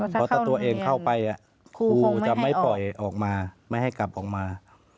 เพราะถ้าตัวเองเข้าไปครูจะไม่ปล่อยออกมาไม่ให้กลับออกมา